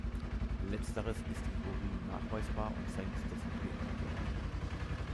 Letzteres ist im Urin nachweisbar und senkt dessen pH-Wert.